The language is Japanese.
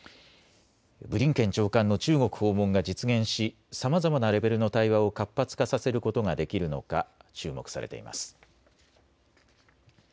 ブリンケン長官の中国訪問が実現し、さまざまなレベルの対話を活発化させることができるのか、注目されています。